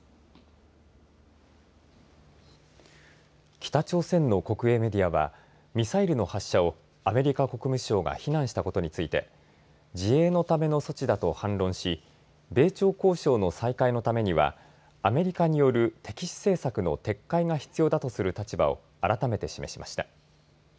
北朝鮮の国営メディアはミサイルの発射をアメリカ国務省が非難したことについて自衛のための措置だと反論し米朝交渉の再開のためにはアメリカによる敵視政策の撤回が必要だとする立場を改めて示しました。